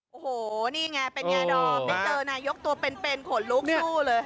โอ้โหนี่ไงเป็นไงดอมได้เจอนายกตัวเป็นขนลุกสู้เลย